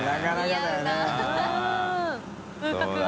似合うな。